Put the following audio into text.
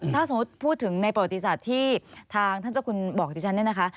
ถ้าสมมุติพูดถึงในประวัติศาสตร์ที่ทางท่านเจ้าคุณบอกดิฉันเนี่ยนะคะ